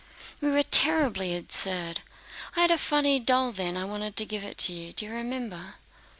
We were terribly absurd. I had a funny doll then and wanted to give it to you. Do you remember?"